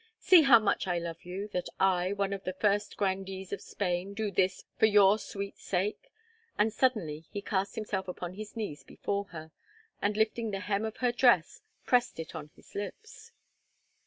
See how much I love you, that I, one of the first grandees of Spain, do this for your sweet sake," and suddenly he cast himself upon his knees before her, and lifting the hem of her dress pressed it to his lips.